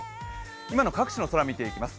今の各地の空、見ていきます。